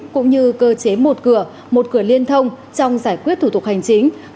cũng như cơ chế một cửa một cửa liên thông trong giải quyết thủ tục hành chính